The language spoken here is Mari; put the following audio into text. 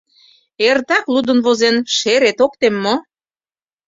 Эртак лудын-возен, шерет ок тем мо?